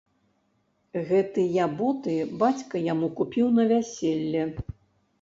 Гэтыя боты бацька яму купіў на вяселле.